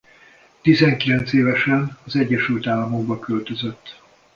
Tizenkilenc évesen az Egyesült Államokba költözött.